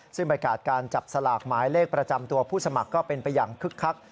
ซึ่งบรรยากาศการจับสลากหมายเลขประจำตัวผู้สมัครก็เป็นไปอย่างคึกคัก